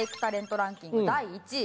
ランキング第１位。